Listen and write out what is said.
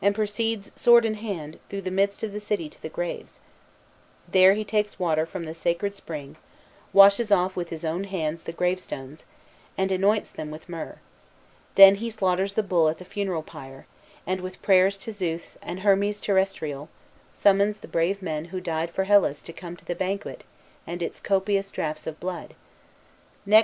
proceeds, sword in hand, through the midst of the city to the graves; there he takes water from the sacred spring, washes off with his own hands the gravestones, and anoints them with myrrh; then he slaughters the bull at the funeral pyre, and, with prayers to Zeus and Hermes Terrestrial, summons the brave men' who died for Hellas to come to the banquet and its copious draughts of blood; next.